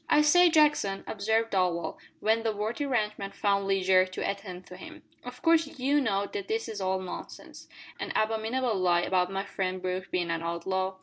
"I say, Jackson," observed Darvall, when the worthy ranch man found leisure to attend to him, "of course you know that this is all nonsense an abominable lie about my friend Brooke being an outlaw?"